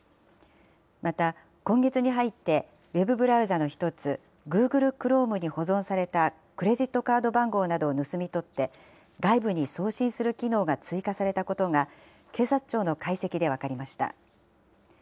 また今月に入ってウェブブラウザの一つ、ＧｏｏｇｌｅＣｈｒｏｍｅに保存されたクレジットカード番号などを盗み取って、外部に送信する機能が追加されたことが、警察庁の解析で分かりました。